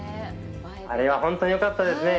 あれは本当によかったですね。